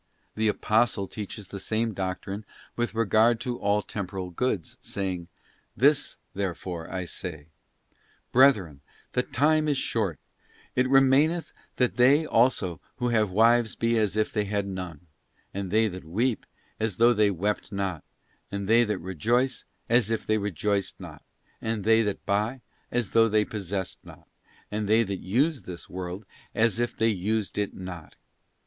The Apostle teaches the same doctrine with regard to all temporal goods, saying: ' This, therefore, I say, brethren, the time is short; it remaineth that they also who have wives be as if they had none; and they that weep, as though they wept not; and they that rejoice, as if they rejoiced not; and they that buy, as though they possessed: not; and they that use this world, as if they used it not.